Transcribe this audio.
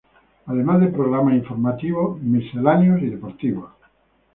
Además de programas, informativos, misceláneos y deportivos.